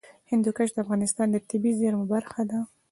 هندوکش د افغانستان د طبیعي زیرمو برخه ده.